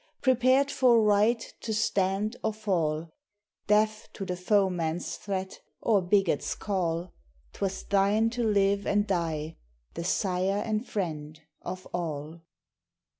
Prepared for Right to stand or fall Deaf to the foeman's threat, or bigot's call 'Twas thine to live and die, the sire and friend of all.